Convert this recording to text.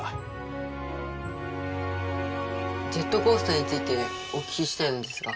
ジェットコースターについてお聞きしたいのですが。